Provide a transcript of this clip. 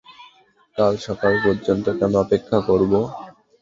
কাল সকাল পর্যন্ত কেন অপেক্ষা করব?